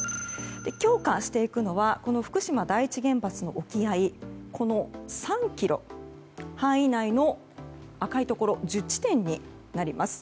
強化していくのは福島第一原発の沖合３ｋｍ範囲内の赤いところ１０地点になります。